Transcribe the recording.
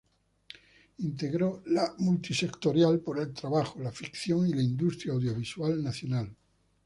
Integró la Multisectorial por el Trabajo, la Ficción y la Industria Audiovisual Nacional.